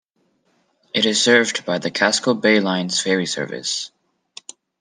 It is served by the Casco Bay Lines ferry service.